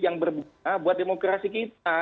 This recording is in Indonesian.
yang berbuka buat demokrasi kita